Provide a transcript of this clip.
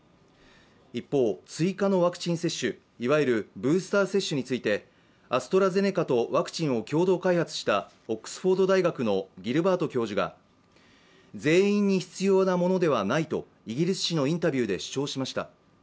一方、追加のワクチン接種いわゆるブースター接種についてアストラゼネカとワクチンを共同開発したオックスフォード大学のギルバート教授が全員に必要なものではないとイギリス紙のインタビューで主張しました。